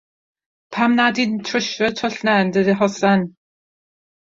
Pam nad wyt ti'n trwsio'r twll yna yn dy hosan?